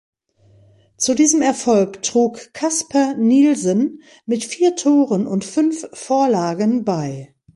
Zu diesem Erfolg trug Casper Nielsen mit vier Toren und fünf Vorlagen bei.